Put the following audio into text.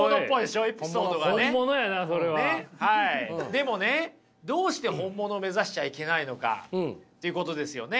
でもねどうして本物を目指しちゃいけないのかということですよね。